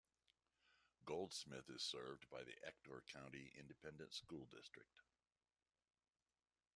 Goldsmith is served by the Ector County Independent School District.